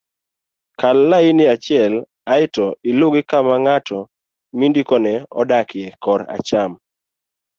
kal lain achiel aeto iluw gi kama ng'at mindikone odakie kor acham